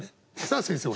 さあ先生